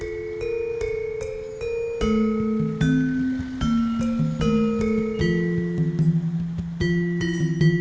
jangan lupa terima kasih telah menonton video ini